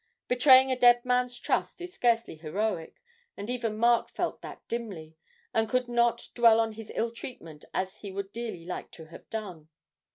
Betraying a dead man's trust is scarcely heroic, and even Mark felt that dimly, and could not dwell on his ill treatment as he would dearly like to have done.